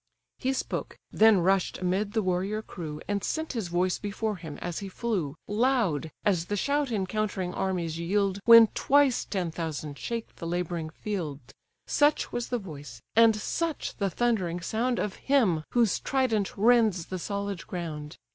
He spoke, then rush'd amid the warrior crew, And sent his voice before him as he flew, Loud, as the shout encountering armies yield When twice ten thousand shake the labouring field; Such was the voice, and such the thundering sound Of him whose trident rends the solid ground.